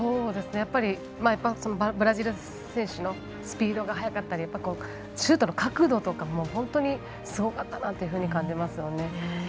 やっぱり、ブラジル選手のスピードが速かったりシュートの角度とか本当にすごかったなと感じます。